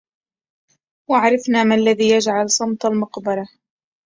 وعرفنا ما الذي يجعل صمت المقبرهْ